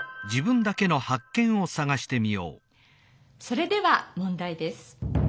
それでは問題です。